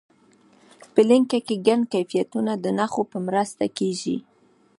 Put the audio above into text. په لیکنه کې ګڼ کیفیتونه د نښو په مرسته کیږي.